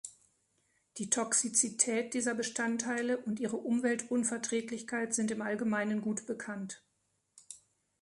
Die Toxizität dieser Bestandteile und ihre Umweltunverträglichkeit sind im Allgemeinen gut bekannt.